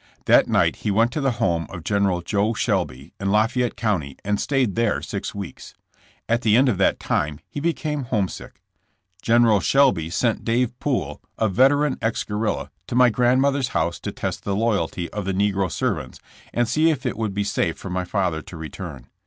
That night he went to the home of General Jo Shelby, in Lafayette County, and stayed there six weeks. At the end of that time he became home sick. General Shelby sent Dave Poole, a veteran ex guerrilla, to my grandmother's house to test the loyalty of the negro servants and see if it would be safe for my father to return.